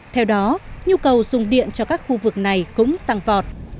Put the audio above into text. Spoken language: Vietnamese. theo đó nhu cầu dùng điện cho các khu vực này cũng tăng vọt